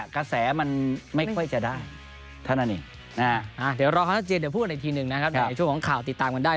แม้มันไม่ค่อยจะได้